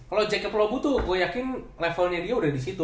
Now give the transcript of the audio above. kalo jacob lobu tuh gue yakin levelnya dia udah disitu